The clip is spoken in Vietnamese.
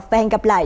và hẹn gặp lại